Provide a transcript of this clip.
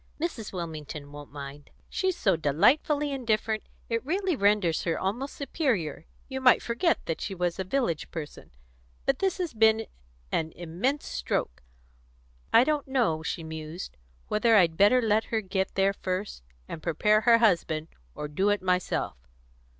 Mrs. Wilmington won't mind. She's so delightfully indifferent, it really renders her almost superior; you might forget that she was a village person. But this has been an immense stroke. I don't know," she mused, "whether I'd better let her get there first and prepare her husband, or do it myself.